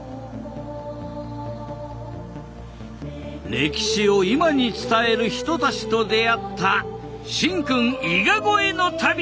歴史を今に伝える人たちと出会った神君伊賀越えの旅だった！